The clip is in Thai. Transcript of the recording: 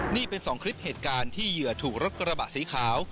นี่เป็นสองคลิปเหตุการณ์ที่เหยื่อถูกรถกระบะสีขาว